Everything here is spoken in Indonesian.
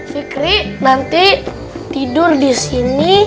fikri nanti tidur di sini